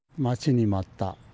待ちに待った。